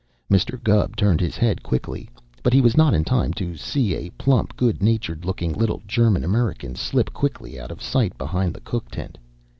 Mr. Gubb turned his head quickly, but he was not in time to see a plump, good natured looking little German American slip quickly out of sight behind the cook tent.